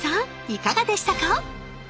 いかがでしたか？